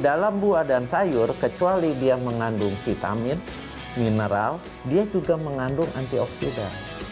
jadi zat zat buah dan sayur kecuali dia mengandung vitamin mineral dia juga mengandung antioksidan